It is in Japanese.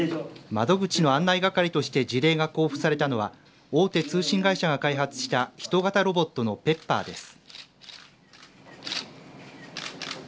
窓口の案内係として辞令が交付されたのは大手通信会社が開発した人型ロボットのＰｅｐｐｅｒです。